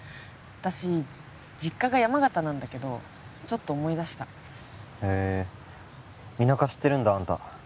私実家が山形なんだけどちょっと思い出したへえ田舎知ってるんだあんた